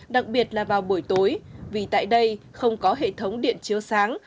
đặc biệt là vào buổi tối vì tại đây không có hệ thống điện chiếu sáng